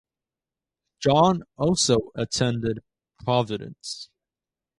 John also attended Providence.